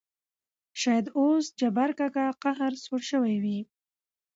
شاېد اوس جبار کاکا قهر سوړ شوى وي.